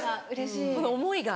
その思いが。